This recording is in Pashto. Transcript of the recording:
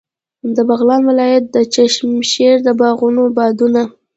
د بغلان ولایت د چشم شیر د باغونو بادونه.